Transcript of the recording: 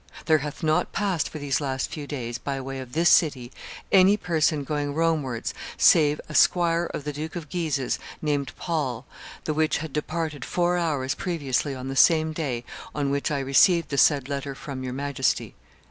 There hath not passed, for these last few days, by way of this city, any person going Romewards save a squire of the Duke of Guise's, named Paule, the which had departed four hours previously on the same day on which I received the said letter from your Majesty."